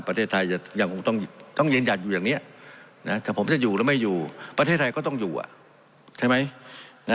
เพราะมันก็มีเท่านี้นะเพราะมันก็มีเท่านี้นะ